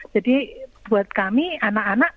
jadi buat kami anak anak